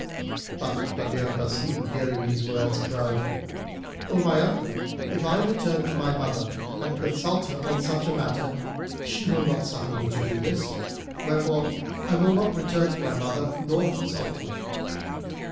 But Badr Basim, hearing these words, cried, "O my uncle, if I return to my mother and consult her on such matter, she will not suffer me to do this; wherefore I will not return to my mother nor consult her."